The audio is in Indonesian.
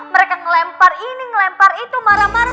mereka ngelempar ini ngelempar itu marah marah